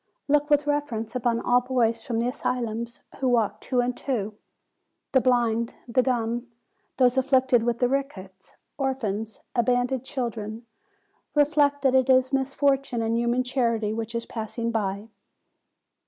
Look with rever ence upon all boys from the asylums, who walk two and two, the blind, the dumb, those afflicted with the rickets, orphans, abandoned children; reflect that it is misfortune and human charity which is passing by.